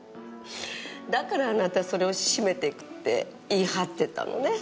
だからあなたそれを締めていくって言い張ってたのね。